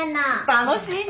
楽しいね！